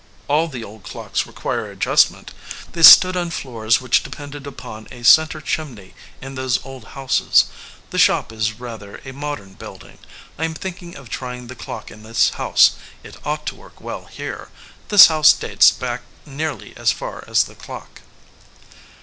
"All the old clocks require adjustment. They stood on floors which depended upon a center chim ney in those old houses. The shop is rather a mod ern building. I am thinking of trying the clock in this house. It ought to work well here. This house dates back nearly as far as the clock."